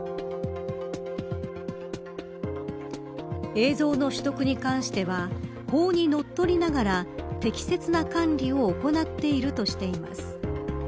映像の取得に関しては法にのっとりながら適切な管理を行っているとしています。